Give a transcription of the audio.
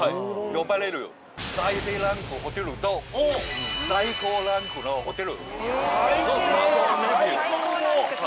呼ばれる最低ランクのホテルと最高ランクのホテルの謎レビュー。